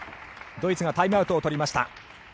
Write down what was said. ドイツがタイムアウトを取りました。